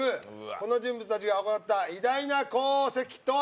この人物達が行った偉大な功績とは？